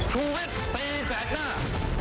ชุวิตตีแสดหน้า